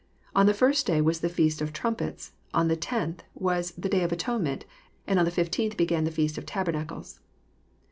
On the first day was the feast of trumpets, on the tenth day was the day of atonement, and on the fifteenth began the feast of tabernacles.